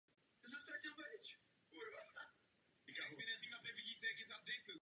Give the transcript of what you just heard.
Šlo o část mongolské invaze Evropy.